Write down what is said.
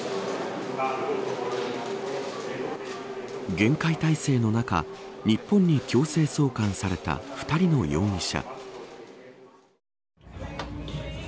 厳戒態勢の中日本に強制送還された２人の容疑者。